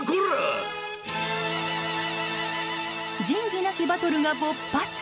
仁義なきバトルが勃発。